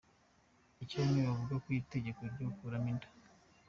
Icyo bamwe bavuga ku itegeko ryo gukuramo inda .